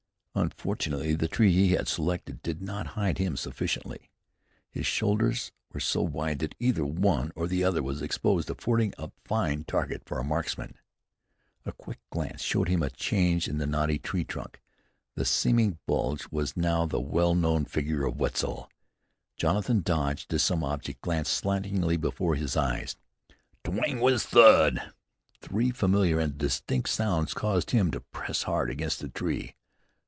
Unfortunately the tree he had selected did not hide him sufficiently. His shoulders were so wide that either one or the other was exposed, affording a fine target for a marksman. A quick glance showed him a change in the knotty tree trunk; the seeming bulge was now the well known figure of Wetzel. Jonathan dodged as some object glanced slantingly before his eyes. Twang. Whizz. Thud. Three familiar and distinct sounds caused him to press hard against the tree.